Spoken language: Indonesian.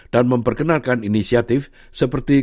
dan memperkenalkan inisiatif seperti